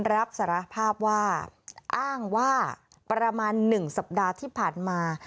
รับสารภาพว่าอ้างว่าประมาณ๑สัปดาห์ที่ผ่านมา